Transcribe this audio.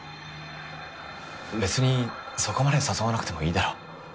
別にそこまで誘わなくてもいいだろ。